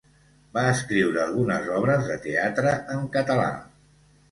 Va escriure algunes obres de teatre en català.